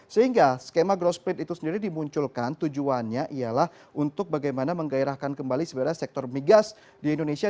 sehingga skema growth split itu sendiri dimunculkan tujuannya ialah untuk bagaimana menggairahkan kembali sebenarnya sektor migas di indonesia